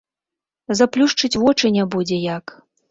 Заплюшчыць вочы не будзе як.